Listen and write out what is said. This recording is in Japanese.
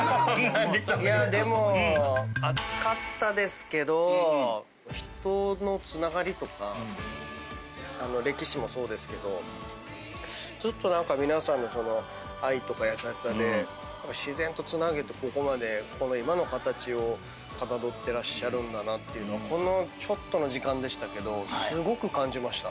でも暑かったですけど人のつながりとか歴史もそうですけどずっと皆さんの愛とか優しさで自然とつなげてここまで今の形をかたどってらっしゃるっていうのをこのちょっとの時間でしたけどすごく感じました。